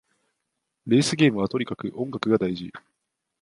レースゲームはとにかく音楽が大事